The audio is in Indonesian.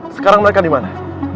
sekarang mereka dimana